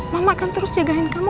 mama akan terus jagain kamu